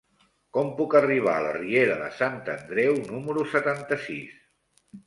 Com puc arribar a la riera de Sant Andreu número setanta-sis?